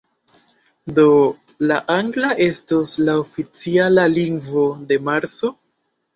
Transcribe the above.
Do, la angla estos la oficiala lingvo de Marso?